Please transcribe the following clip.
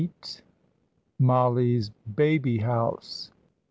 MOLLIE'S BABY HOUSE.